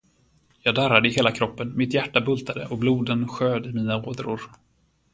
Jag darrade i hela kroppen, mitt hjärta bultade, och bloden sjöd i mina ådror.